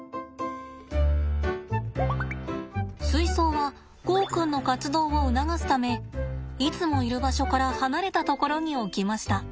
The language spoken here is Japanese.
水槽はゴーくんの活動を促すためいつもいる場所から離れた所に置きました。